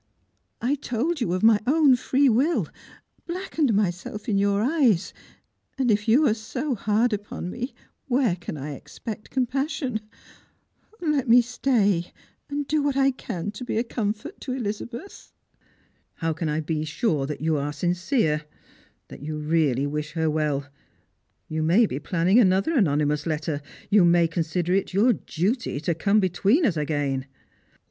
" I told you of my own free will, blackened myyelf in your eyes, and if you are so hard upon me, where can I exjject com passion ? Let me stay, and do what I cau to be a comfort to Elizabeth." " How can I be sure that you are sincere — that you really wish her well? You may be planning another anonymous letter. You may consider it your duty to come between us again."